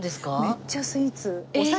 めっちゃスイーツ。